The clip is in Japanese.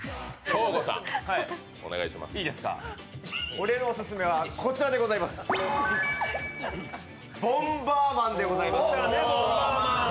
俺のオススメはこちらでございます「ボンバーマン」でございます。